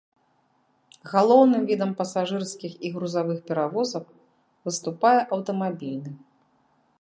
Галоўным відам пасажырскіх і грузавых перавозак выступае аўтамабільны.